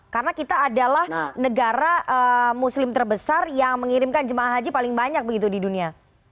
karena kita adalah negara muslim terbesar yang mengirimkan jemaah haji paling banyak begitu di dunia